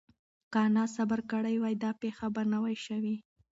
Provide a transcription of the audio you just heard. که انا صبر کړی وای، دا پېښه به نه وه شوې.